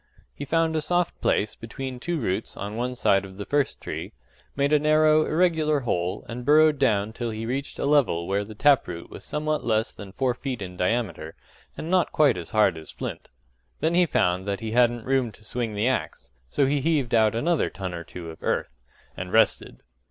He found a soft place between two roots on one side of the first tree, made a narrow, irregular hole, and burrowed down till he reached a level where the tap root was somewhat less than four feet in diameter, and not quite as hard as flint: then he found that he hadn't room to swing the axe, so he heaved out another ton or two of earth and rested.